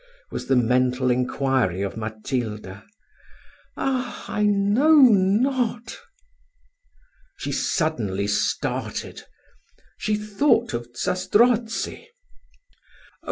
was the mental inquiry of Matilda. Ah! I know not. She suddenly started she thought of Zastrozzi. "Oh!